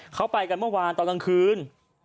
เขาไปกันเมื่อวานตอนกลางคืน